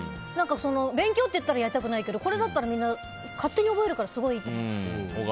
勉強って言ったらやりたくないけどみんな勝手に覚えるからすごくいいと思う。